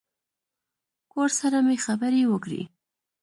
کور سره مې خبرې وکړې.